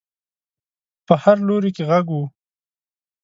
په هر لوري کې غږ و.